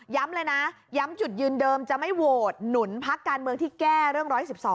เลยนะย้ำจุดยืนเดิมจะไม่โหวตหนุนพักการเมืองที่แก้เรื่อง๑๑๒